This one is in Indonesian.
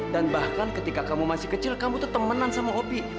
dan bahkan ketika kamu masih kecil kamu tetemenan sama opi